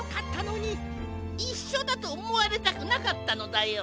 いっしょだとおもわれたくなかったのだよ。